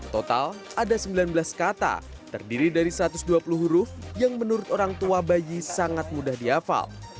total ada sembilan belas kata terdiri dari satu ratus dua puluh huruf yang menurut orang tua bayi sangat mudah dihafal